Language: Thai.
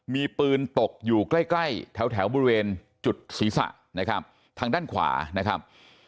มีปืนตกอยู่ใกล้ใกล้แถวบริเวณจุดศีรษะนะครับทางด้านขวานะครับ